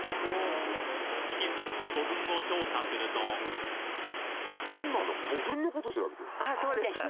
引き続き古墳を調査するとあそうですか。